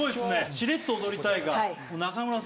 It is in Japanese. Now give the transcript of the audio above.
しれっと踊りたいが仲村さんも。